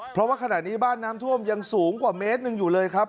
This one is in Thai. เพราะว่าขณะนี้บ้านน้ำท่วมยังสูงกว่าเมตรหนึ่งอยู่เลยครับ